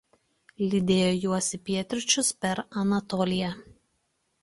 Lydėjo juos į pietryčius per Anatoliją.